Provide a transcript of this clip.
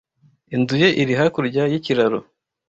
Inzu ye iri hakurya yikiraro.